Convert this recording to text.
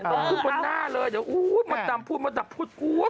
ขึ้นบนหน้าเลยเดี๋ยวมันตามพูดมันตามพูด